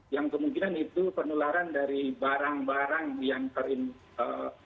yang kemungkinan itu penularan dari barang barang yang terinfeksi